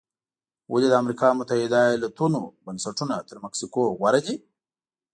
ولې د امریکا متحده ایالتونو بنسټونه تر مکسیکو غوره دي؟